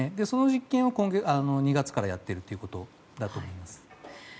その実験を２月からやっているということだと思います。